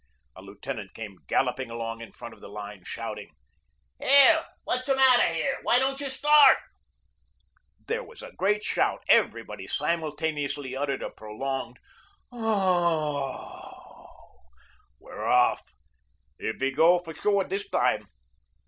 A lieutenant came galloping along in front of the line, shouting: "Here, what's the matter here? Why don't you start?" There was a great shout. Everybody simultaneously uttered a prolonged "Oh h." "We're off." "Here we go for sure this time."